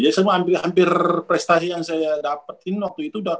jadi semua hampir prestasi yang saya dapetin waktu itu